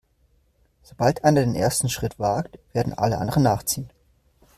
Sobald einer den ersten Schritt wagt, werden alle anderen nachziehen.